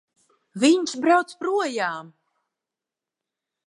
Viņš brauc projām!